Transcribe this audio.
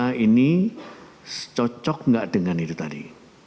pemeriksaan ini cocok tidak dengan itu tadi